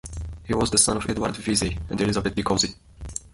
He was the son of Edward Veazey and Elizabeth DeCausey.